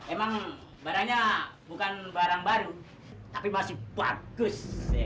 emang barangnya bukan barang baru tapi masih bagus